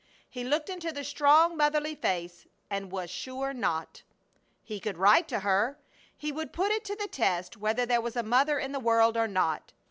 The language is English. He looked into the strong motherly face and was sure not. He would write to her. He would put it to the test whether there was a mother in the world or not.